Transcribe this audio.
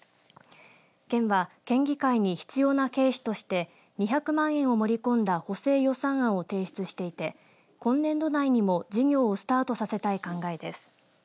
県は県議会に必要な経費として２００万円を盛り込んだ補正予算案を提出していて今年度内にも事業をスタートさせたい考えです。